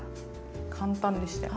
簡単でしたよね。